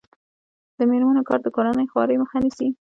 د میرمنو کار د کورنۍ خوارۍ مخه نیسي.